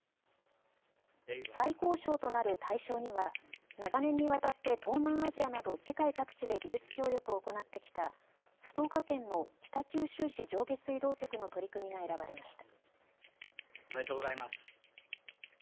最高賞となる大賞には長年にわたって東南アジアなど世界各地で技術協力を行ってきた福岡県の北九州市上下水道局の取り組みが選ばれました。